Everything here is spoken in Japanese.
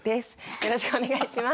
よろしくお願いします。